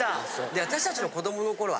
私たちの子どもの頃は。